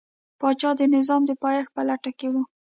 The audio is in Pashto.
پاچا د نظام د پایښت په لټه کې و.